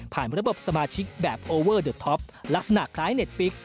ระบบสมาชิกแบบโอเวอร์เดอร์ท็อปลักษณะคล้ายเน็ตฟิก